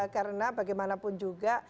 karena bagaimanapun juga